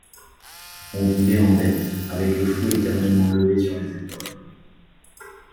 On vivait en bête, avec le fouet éternellement levé sur les épaules.